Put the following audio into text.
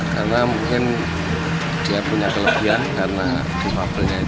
karena mungkin dia punya kelebihan karena tim pampelnya itu